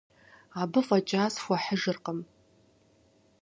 Абы фӏэкӏа схуэхьыжыркъым.